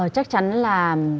chắc chắn là